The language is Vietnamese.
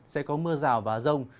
sẽ có mưa rào và rông